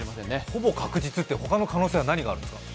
ほぼ確実って、他の可能性は何があるんですか？